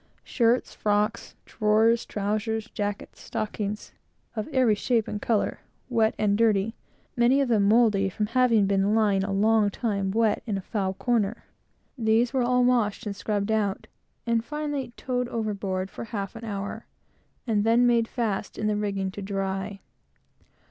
Shirts, frocks, drawers, trowsers, jackets, stockings, of every shape and color, wet and dirty many of them mouldy from having been lying a long time wet in a foul corner these were all washed and scrubbed out, and finally towed overboard for half an hour; and then made fast in the rigging to dry.